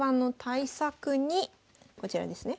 こちらですね。